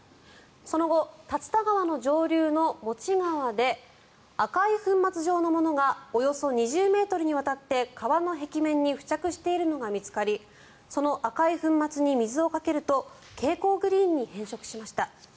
その後、竜田川の上流のモチ川で赤い粉末状のものがおよそ２０ｍにわたって川の壁面に付着しているのが見つかりその赤い粉末に水をかけると蛍光グリーンに変色しました。